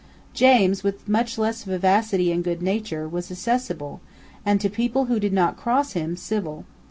James, with much less vivacity and good nature, was accessible, and, to people who did not cross him, civil.